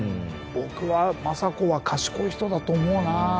僕は政子は賢い人だと思うな。